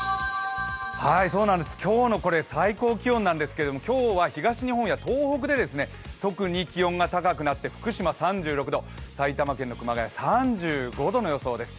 はい、これ、今日の最高気温なんですけれども、今日は東日本や東北で特に気温がが高くなって、福島３６度、埼玉県の熊谷３５度の予想です。